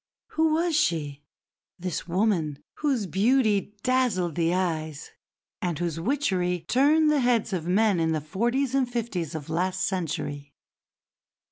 Who was she, this woman whose beauty dazzled the eyes and whose witchery turned the heads of men in the forties and fifties of last century?